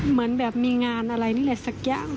เหมือนแบบมีงานอะไรนี่แหละสักอย่าง